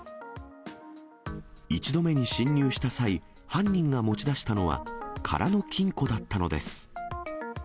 １度目に侵入した際、犯人が持ち出したのは空の金庫だったのです。